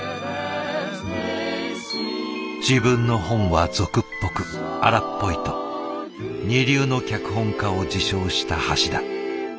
自分のホンは俗っぽく荒っぽいと二流の脚本家を自称した橋田。